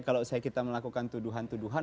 kalau saya kita melakukan tuduhan tuduhan